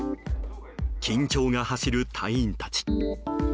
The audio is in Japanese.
緊張が走る隊員たち。